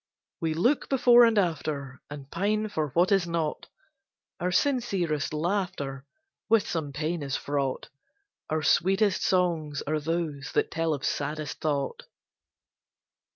We look before and after, And pine for what is not: Our sincerest laughter With some pain is fraught; Our sweetest songs are those that tell of saddest thought.